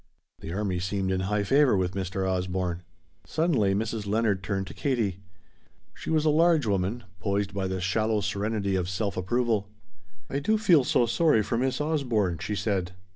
The army seemed in high favor with Mr. Osborne. Suddenly Mrs. Leonard turned to Katie. She was a large woman, poised by the shallow serenity of self approval. "I do feel so sorry for Miss Osborne," she said.